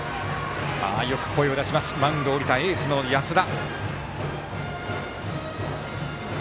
よく声を出しますマウンドを降りたエースの安田。